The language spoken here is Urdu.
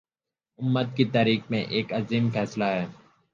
امت کی تاریخ میں ایک عظیم فیصلہ ہے